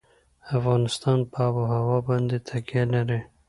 افغانستان په آب وهوا باندې تکیه لري.